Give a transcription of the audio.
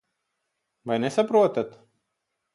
Vai nesaprotat?